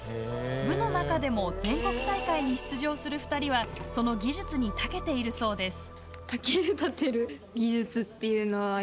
部の中でも全国大会に出場する２人はその技術にたけているそうです。